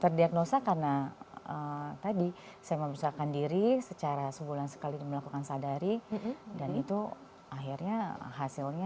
terdiagnosa karena tadi saya memisahkan diri secara sebulan sekali melakukan sadari dan itu akhirnya hasilnya